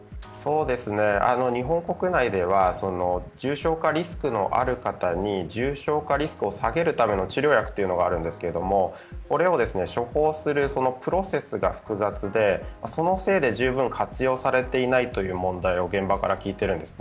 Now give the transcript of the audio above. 日本国内では重症化リスクのある方に重症化リスクを下げるための治療薬があるんですがこれを処方するプロセスが複雑でそのせいで、じゅうぶん活用されていないという問題を現場から聞いています。